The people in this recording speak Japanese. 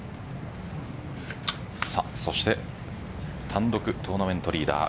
単独トーナメントリーダー